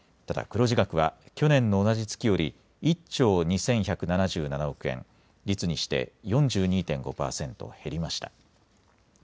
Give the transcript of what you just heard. ただ黒字額は去年の同じ月より１兆２１７７億円、率にして４２．５％減りました。